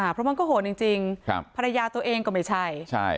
เพราะมันก็โหดจริงภรรยาตัวเองก็ไม่ใช่